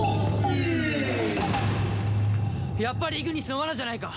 やっぱりイグニスのわなじゃないか！